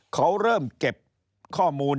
เขาเริ่มเก็บข้อมูล